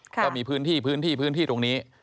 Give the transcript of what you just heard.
ก็มีพื้นที่พื้นที่พื้นที่ตรงนี้